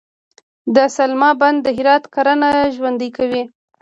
د سلما بند د هرات کرنه ژوندي کوي